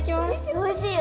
おいしいよ。